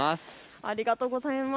ありがとうございます。